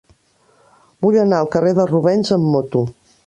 Vull anar al carrer de Rubens amb moto.